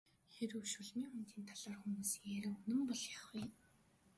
Хэрэв Шулмын хөндийн талаарх хүмүүсийн яриа үнэн бол яах вэ?